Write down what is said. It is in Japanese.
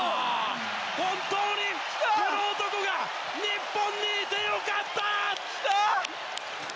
本当にこの男が日本にいて良かった！